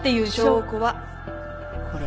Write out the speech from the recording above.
証拠はこれ。